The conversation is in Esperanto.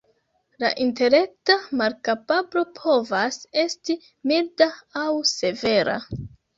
La intelekta malkapablo povas esti milda aŭ severa.